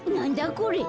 これ。